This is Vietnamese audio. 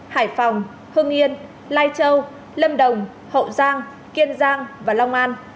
hải phòng hưng yên lai châu lâm đồng hậu giang kiên giang và long an